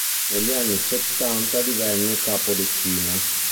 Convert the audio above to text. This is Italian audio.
Negli anni settanta divenne capodecina.